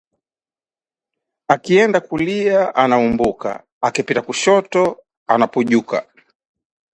Akienda kulia anaumbuka, akipita kushoto anapujuka